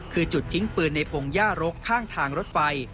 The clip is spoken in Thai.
คือจุดทิ้งปืนในพงหญ้ารกข้างทางรถไฟ